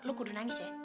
lu kudu nangis ya